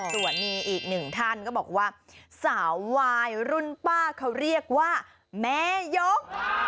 ส่วนมีอีกหนึ่งท่านก็บอกว่าสาววายรุ่นป้าเขาเรียกว่าแม่ยก